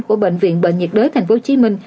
của bệnh viện bệnh nhiệt đới thành phố hồ chí minh